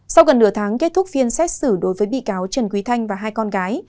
sau gần nửa tháng kết thúc phiên xét xử đối với bị cáo trần quý thanh và hai con gái